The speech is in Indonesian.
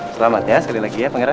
selamat ya sekali lagi ya pangeran